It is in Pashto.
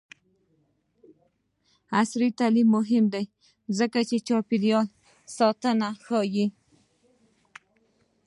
عصري تعلیم مهم دی ځکه چې چاپیریال ساتنه ښيي.